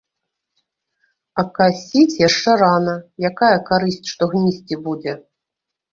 А касіць яшчэ рана, якая карысць, што гнісці будзе.